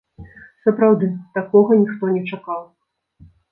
Сапраўды, такога ніхто не чакаў.